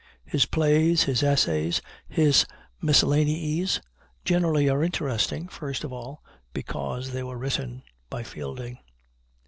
His plays, his essays, his miscellanies generally are interesting, first of all, because they were written by Fielding.